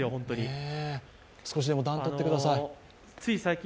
少しでも暖をとってください。